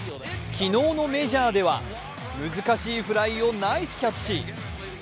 昨日のメジャーでは難しいフライをナイスキャッチ。